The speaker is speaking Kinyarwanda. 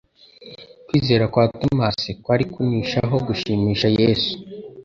Kwizera kwa Tomasi kwari kunishaho gushimisha Yesu